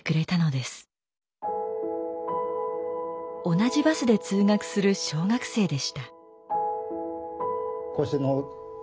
同じバスで通学する小学生でした。